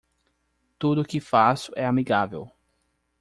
Tudo que faço é amigável.